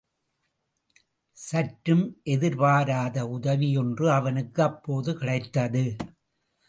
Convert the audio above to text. சற்றும் எதிர்பாராத உதவி ஒன்று அவனுக்கு அப்போது கிடைத்தது.